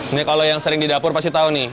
ini kalau yang sering di dapur pasti tahu nih